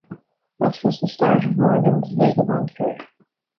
Thus was the start of Morgan's vagabond career.